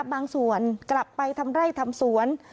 บางส่วนกลับไปทำไร่ทำสวน